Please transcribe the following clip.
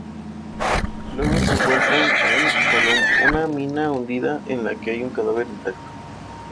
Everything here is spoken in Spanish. Luego encuentran en Falun una mina hundida en la que hay un cadáver intacto.